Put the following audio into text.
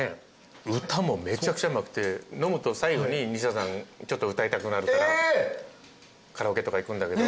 歌もめちゃくちゃうまくて飲むと最後に西田さんちょっと歌いたくなるからカラオケとか行くんだけど。